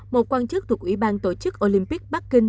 một quan chức thuộc ủy ban tổ chức olympic bắc kinh